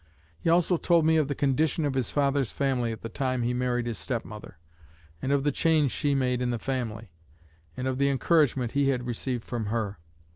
He also told me of the condition of his father's family at the time he married his step mother, and of the change she made in the family, and of the encouragement he had received from her....